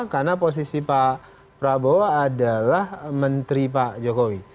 karena posisi pak prabowo adalah menteri pak jokowi